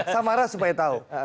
samara supaya tahu